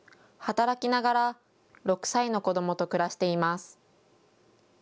働きながら６歳の子どもと暮らしています。